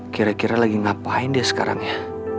kira kira lagi ngapain dia sekarang ya